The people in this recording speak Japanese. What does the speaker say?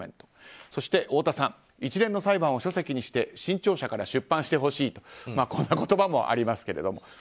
そして、太田さん一連の裁判を書籍にして新潮社から出版してほしいとこんな言葉もありますけれども。